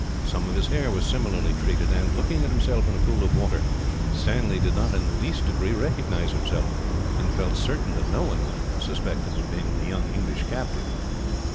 Some of his hair was similarly treated and, looking at himself in a pool of water, Stanley did not in the slightest degree recognize himself; and felt certain that no one would suspect him of being the young English captive.